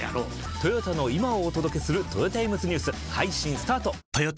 トヨタの今をお届けするトヨタイムズニュース配信スタート！！！